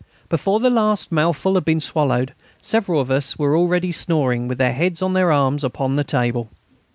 Before the last mouthful had been swallowed several of us were already snoring with their heads on their arms upon the table.